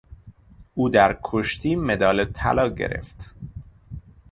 او در کشتیمدال طلا گرفت.